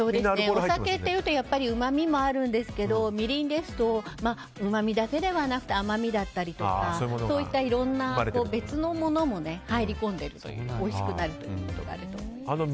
お酒というとうまみもあるんですけどみりんですとうまみだけではなくて甘みだったりとかそういったいろんな別のものも入り込んでおいしくなるということがあるので。